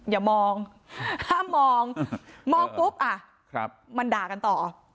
อย่ามองห้ามมองมองปุ๊บอ่ะมันด่ากันต่อ